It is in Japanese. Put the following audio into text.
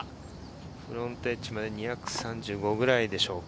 フロントエッジまで２３５くらいでしょうか。